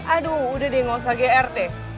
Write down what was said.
aduh udah deh nggak usah gr deh